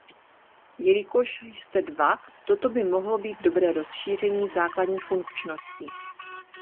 Jelikož jste dva, toto by mohlo být dobré rozšíření základní funkčnosti.